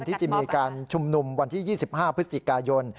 ที่จะมีการชุมนุมวันที่๒๕พฤศจิกายน